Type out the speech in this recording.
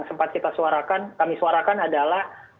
sempat kita suarakan kami suarakan adalah